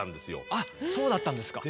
あそうだったんですか。